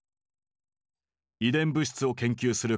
遺伝物質を研究する科学者